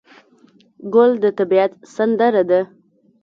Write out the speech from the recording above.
ګل د طبیعت سندره ده.